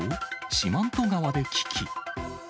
四万十川で危機。